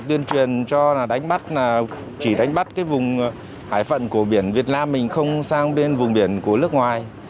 tuyên truyền cho là đánh bắt chỉ đánh bắt cái vùng hải phận của biển việt nam mình không sang bên vùng biển của nước ngoài